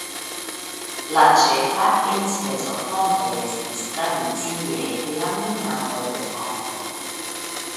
La ĉefa enspezofonto estis tradicie la minado de karbo.